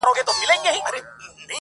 • دوى خو، له غمه څه خوندونه اخلي.